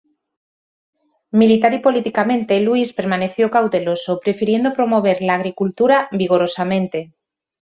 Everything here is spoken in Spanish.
Militar y políticamente Luis permaneció cauteloso, prefiriendo promover la agricultura vigorosamente.